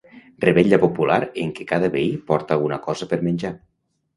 Revetlla popular en què cada veí porta alguna cosa per menjar.